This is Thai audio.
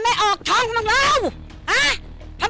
ซื้อของเธอเป็นอย่างอัศว์ร์ท่อแรก